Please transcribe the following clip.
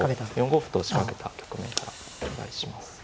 ４五歩と仕掛けた局面からお願いします。